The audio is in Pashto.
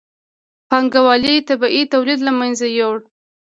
پانګوالۍ طبیعي تولید له منځه یووړ.